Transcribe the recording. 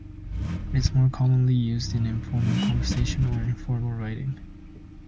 It is more commonly used in informal conversations or informal writing.